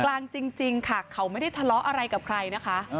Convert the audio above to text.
จริงค่ะเขาไม่ได้ทะเลาะอะไรกับใครนะคะ